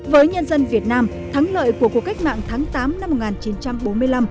với nhân dân việt nam thắng lợi của cuộc cách mạng tháng tám năm một nghìn chín trăm bốn mươi năm